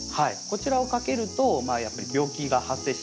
こちらをかけるとやっぱり病気が発生しにくい。